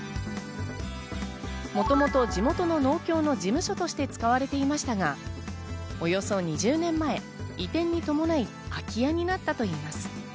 もともと地元の農協の事務所として使われていましたが、およそ２０年前、移転に伴い空き家になったといいます。